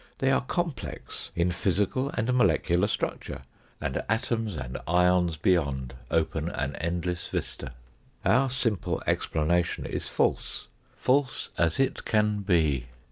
They are complex in physical and molecular structure, and atoms and ions beyond open an endless vista. Our simple explanation is false, false as it can be.